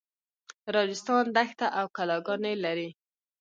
راجستان دښته او کلاګانې لري.